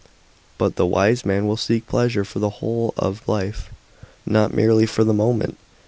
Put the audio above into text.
But the wise man will seek pleasure for the whole ot life, not merely for the moment.